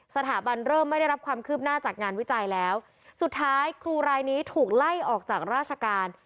สถาบันเริ่มไม่ได้รับความคืบหน้าจากงานวิจัยแล้วสุดท้ายครูรายนี้ถูกไล่ออกจากราชการ